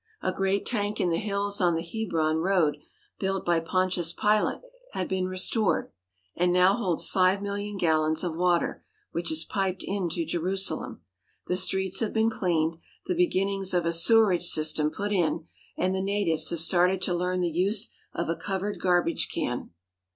A great tank in the hills on the Hebron road, built by Pontius Pilate, has been restored, and now holds five million gallons of water, which is piped into Jerusalem. The streets have been cleaned, the beginnings of a sewerage system put in, and the natives have started to learn the use of a covered garbage can.